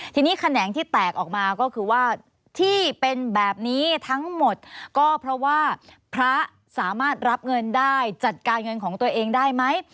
ทีนี้แขนงที่แตกออกมาก็คือว่าที่เป็นแบบนี้ทั้งหมดก็เพราะว่าพระสามารถรับเงินได้จัดการเงินของตัวเองได้ไหม